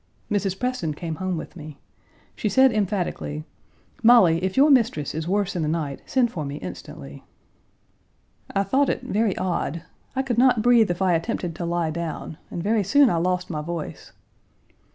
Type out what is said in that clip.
Mrs. Preston came home with me. She said emphatically: "Molly, if your mistress is worse in the night send for me instantly." I thought it very odd. I could not breathe if I attempted to lie down, and very soon I lost my voice.